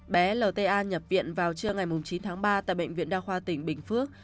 bé lta nhập viện vào trưa ngày chín tháng ba tại bệnh viện đa khoa tỉnh bình phước